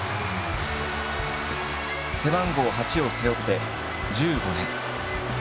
背番号「８」を背負って１５年。